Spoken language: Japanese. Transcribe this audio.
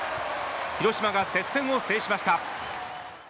広島が接戦を制しました。